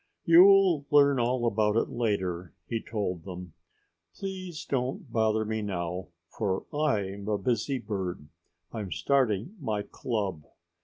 "You'll learn all about it later," he told them. "Please don't bother me now, for I'm a busy bird. I'm starting my club."